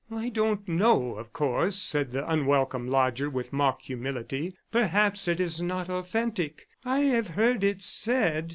"I don't know, of course," said the unwelcome lodger with mock humility. "Perhaps it is not authentic. I have heard it said."